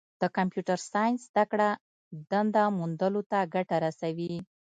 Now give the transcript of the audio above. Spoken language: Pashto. د کمپیوټر ساینس زدهکړه دنده موندلو ته ګټه رسوي.